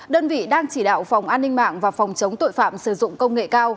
đơn vị đang chỉ đạo phòng an ninh mạng và phòng chống tội phạm sử dụng công nghệ cao